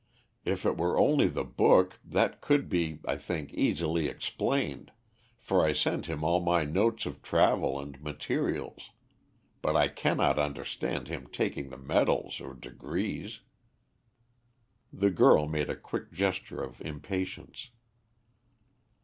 If it were only the book, that could be, I think, easily explained, for I sent him all my notes of travel and materials; but I cannot understand him taking the medals or degrees." The girl made a quick gesture of impatience.